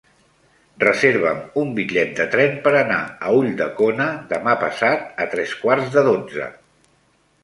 Reserva'm un bitllet de tren per anar a Ulldecona demà passat a tres quarts de dotze.